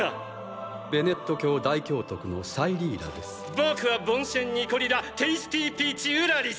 僕はボンシェン・ニコリ・ラ・テイスティピーチ＝ウラリス！！